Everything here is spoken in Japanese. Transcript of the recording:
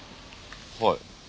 はい。